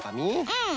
うん。